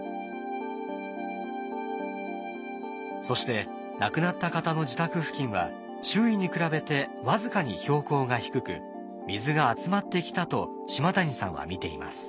そして亡くなった方の自宅付近は周囲に比べて僅かに標高が低く水が集まってきたと島谷さんは見ています。